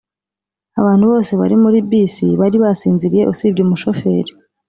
abantu bose bari muri bisi bari basinziriye usibye umushoferi.